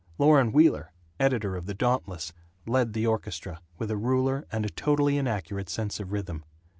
Loren Wheeler, editor of the Dauntless, led the orchestra, with a ruler and a totally inaccurate sense of rhythm.